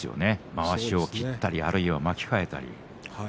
まわしを切ったり巻き替えたり。